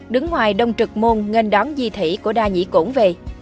đứng ngoài đông trực môn ngân đón di thủy của đa nhĩ cổn về